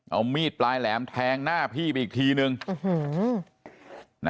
เอามีดปลายแหลมแทงหน้าพี่ไปอีกทีนึง